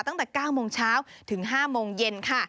ตั้งแต่๙โมงเช้าถึง๕โมงเย็นค่ะ